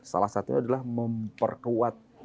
salah satunya adalah memperkuat